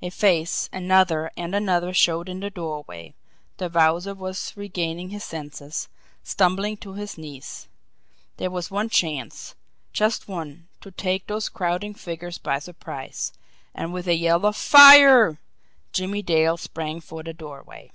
A face, another, and another showed in the doorway the Wowzer was regaining his senses, stumbling to his knees. There was one chance just one to take those crowding figures by surprise. And with a yell of "Fire!" Jimmie Dale sprang for the doorway.